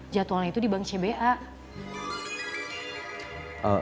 jadwalnya itu di bank cba